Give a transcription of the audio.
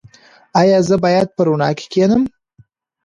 ایا زه باید په رڼا کې کینم؟